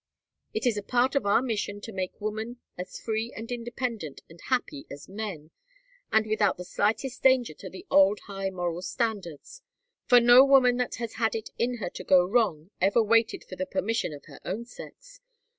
It is a part of our mission to make woman as free and independent and happy as men, and without the slightest danger to the old high moral standards; for no woman that has had it in her to go wrong ever waited for the permission of her own sex.